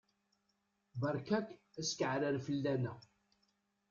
Berka-k askeɛrer fell-aneɣ!